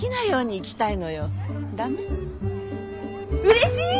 うれしい！